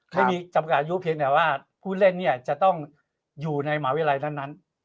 ไม่มีจำกัดอายุเพียงแต่ว่าผู้เล่นเนี่ยจะต้องอยู่ในมหาวิทยาลัยเท่านั้น